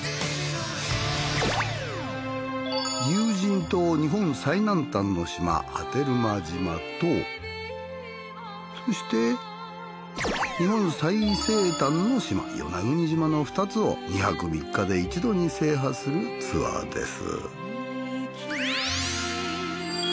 有人島日本最南端の島波照間島とそして日本最西端の島与那国島の２つを２泊３日で一度に制覇するツアーです。